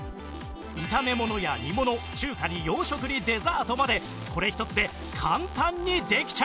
炒め物や煮物中華に洋食にデザートまでこれ１つで簡単にできちゃいます